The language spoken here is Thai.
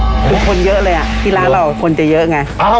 ทุกคนเยอะเลยที่ร้านเราคนจะเยอะไง